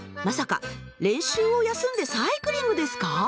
まさか練習を休んでサイクリングですか？